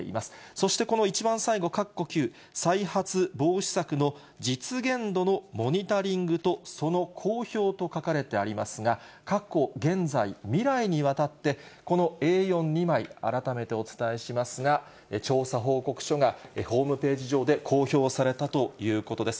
そしてこの一番最後、かっこ９、再発防止策の実現度のモニタリングと、その公表と書かれてありますが、過去、現在、未来にわたってこのＡ４、２枚、改めてお伝えしますが、調査報告書がホームページ上で公表されたということです。